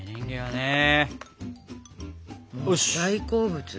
大好物。